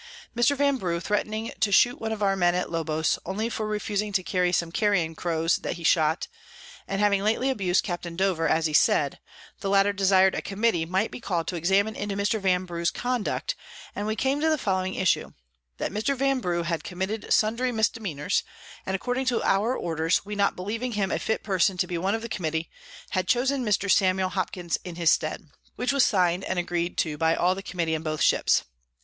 Mr. Vanbrugh threatning to shoot one of our Men at Lobos, only for refusing to carry some Carrion Crows that he shot, and having lately abus'd Capt. Dover, as he said; the latter desir'd a Committee might be call'd to examine into Mr. Vanbrugh's Conduct, and we came to the following Issue: That Mr. Vanbrugh _had committed sundry Misdemeanours, and according to our Orders, we not believing him a fit Person to be one of the Committee, had chosen Mr._ Samuel Hopkins in his stead. Which was sign'd, and agreed to by all the Committee in both Ships.